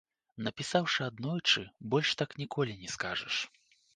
Напісаўшы аднойчы, больш так ніколі не скажаш.